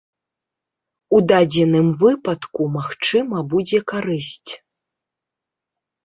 У дадзеным выпадку, магчыма, будзе карысць.